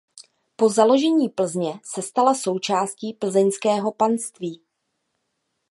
Po založení Plzně se stala součástí plzeňského panství.